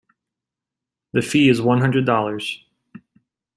The fee is one hundred dollars.